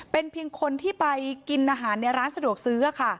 เป็นเพียงคนที่ไปกินอาหารในร้านสะดวกซื้อ